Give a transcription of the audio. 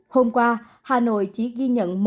hôm qua hà nội chỉ ghi nhận